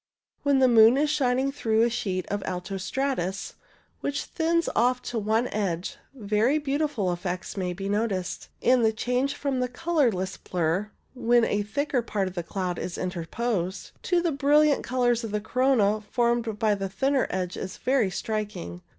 When the moon is shining through a sheet of alto stratus, which thins off to one edge, very beautiful effects may often be noticed, and the change from the colourless blur, when a thicker part of the cloud is interposed, to the brilliant colours of the corona formed by the thinner edges is very striking.